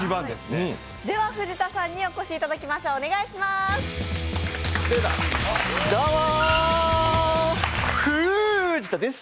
ではフジタさんにお越しいただきましょう、お願いします。